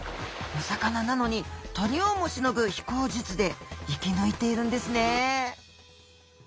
お魚なのに鳥をもしのぐ飛行術で生き抜いているんですねえ。